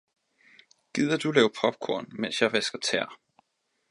Gider du lave popcorn mens jeg vasker tæer